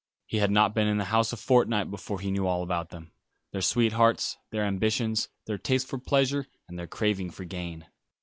He had not been in the house a fortnight before he knew all about them; their sweethearts; their ambitions; their tastes for pleasure, and their craving for gain.